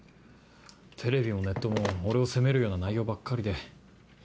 テレビもネットも俺を責めるような内容ばっかりで。